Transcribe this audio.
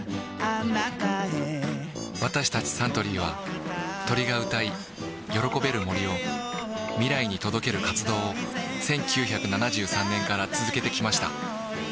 私たちサントリーは鳥が歌い喜べる森を未来に届ける活動を１９７３年から続けてきました